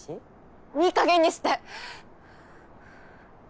いいかげんにして！